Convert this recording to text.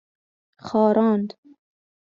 خاراند